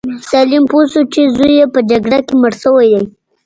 سلیم پوه شو چې زوی یې په جګړه کې مړ شوی دی.